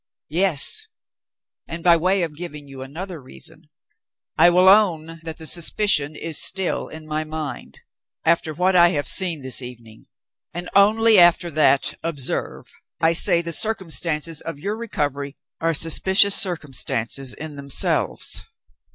"Yes; and, by way of giving you another reason, I will own that the suspicion is still in my mind. After what I have seen this evening and only after that, observe I say the circumstances of your recovery are suspicious circumstances in themselves.